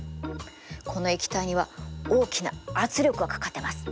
この液体には大きな圧力がかかってます。